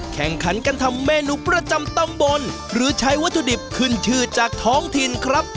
แข่งขันกันทำเมนูประจำตำบลหรือใช้วัตถุดิบขึ้นชื่อจากท้องถิ่นครับ